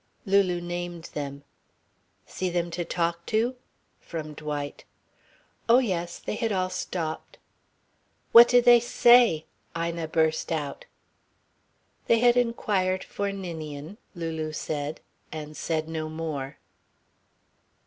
Lulu named them. "See them to talk to?" from Dwight. Oh, yes. They had all stopped. "What did they say?" Ina burst out. They had inquired for Ninian, Lulu said; and said no more.